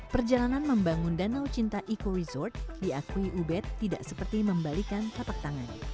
perjalanan membangun danau cinta eco resort diakui ubed tidak seperti membalikan tepak tangan